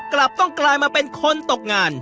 กลับต้องกลายมาเป็นคนตกงาน